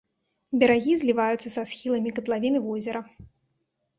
Берагі зліваюцца са схіламі катлавіны возера.